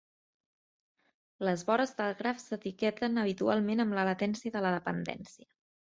Les vores del Graf s'etiqueten habitualment amb la latència de la dependència.